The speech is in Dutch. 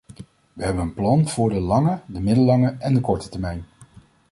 We hebben een plan voor de lange, de middellange en de korte termijn.